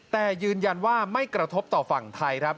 แต่ยืนยันว่าไม่กระทบต่อฝั่งไทยครับ